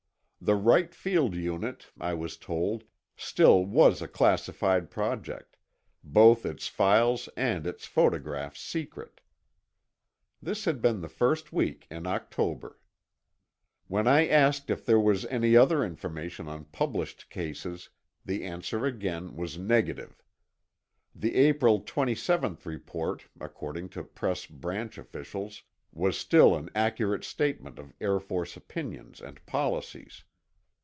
The Wright Field unit, I was told, still was a classified project, both its files and its photographs secret. This had been the first week in October. When I asked if there was any other information on published cases, the answer again was negative. The April 27th report, according to Press Branch officials, was still an accurate statement of Air Force opinions and policies.